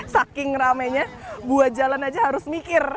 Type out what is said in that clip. saking rame nya buat jalan aja harus mikir